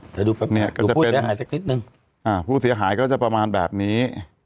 ถ้าดูผู้เสียหายสักนิดนึงผู้เสียหายก็จะประมาณแบบนี้